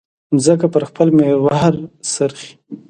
مځکه پر خپل محور څرخي.